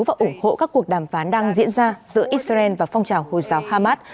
và ủng hộ các cuộc đàm phán đang diễn ra giữa israel và phong trào hồi giáo hamas